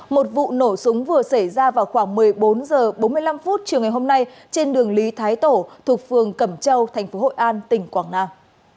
một vụ nổ súng vừa xảy ra vào khoảng một mươi bốn h bốn mươi năm chiều ngày hôm nay trên đường lý thái tổ thuộc phường cẩm châu thành phố hội an tỉnh quảng nam